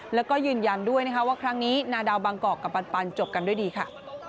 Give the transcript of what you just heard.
แล้วก็ยืนยันด้วยนะคะว่าครั้งนี้นาดาวบางกอกกับปันจบกันด้วยดีค่ะ